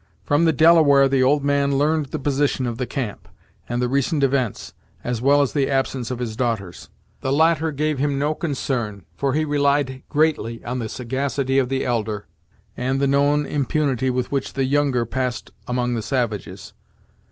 From the Delaware the old man learned the position of the camp, and the recent events, as well as the absence of his daughters. The latter gave him no concern, for he relied greatly on the sagacity of the elder, and the known impunity with which the younger passed among the savages.